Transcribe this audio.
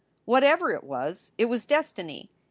Whatever it was, it was destiny.